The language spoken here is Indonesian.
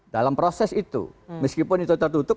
dalam proses itu meskipun itu tertutup